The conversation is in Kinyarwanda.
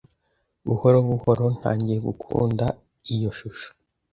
Buhoro buhoro, ntangiye gukunda iyo shusho.